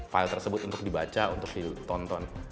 file tersebut untuk dibaca untuk ditonton